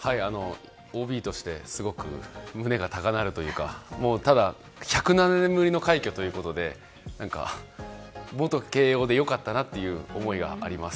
ＯＢとしてすごく胸が高鳴るというかただ、１０７年ぶりの快挙ということで元慶應で良かったなという思いがあります。